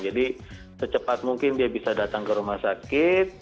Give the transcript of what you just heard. jadi secepat mungkin dia bisa datang ke rumah sakit